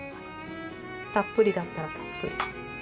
たっぷりだったらたっぷり。